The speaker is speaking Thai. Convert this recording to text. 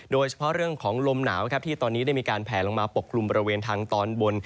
โดยเฉพาะเรื่องของลมหนาวที่ตอนนี้ได้มีการแผลลงมาปกกลุ่มบริเวณทางตอนบน